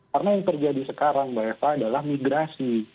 karena yang terjadi sekarang mbak eva adalah migrasi